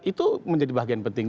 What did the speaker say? itu menjadi bagian penting